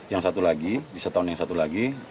yang satu lagi di setahun yang satu lagi